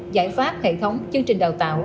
giải pháp hệ thống chương trình đào tạo